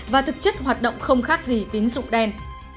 và thực chất hoạt động không khác gì tín dụng đen